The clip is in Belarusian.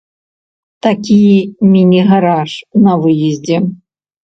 Такі міні-гараж на выездзе.